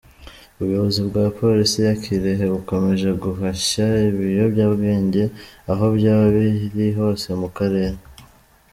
Ubuyobizi bwa polisi ya Kirehe bukomeje guhashya ibiyobyabwenge aho byaba biri hose mu karere.